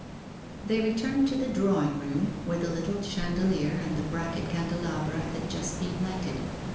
They returned to the drawing room, where the little chandelier and the bracket candelabra had just been lighted.